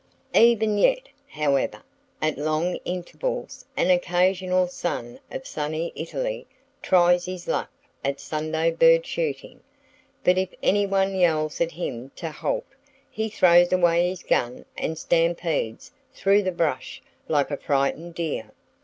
Even yet, however, at long intervals an occasional son of sunny Italy tries his luck at Sunday bird shooting; but if anyone yells at him to "Halt!" he throws away his gun and stampedes through the brush like a frightened deer.